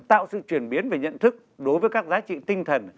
tạo sự chuyển biến về nhận thức đối với các giá trị tinh thần